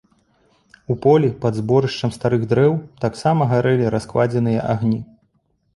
У полі, пад зборышчам старых дрэў, таксама гарэлі раскладзеныя агні.